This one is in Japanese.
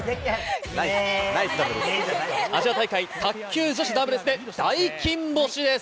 アジア大会、卓球女子ダブルスで大金星です。